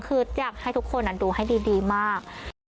คืออยากให้ทุกคนดูให้ดีมาก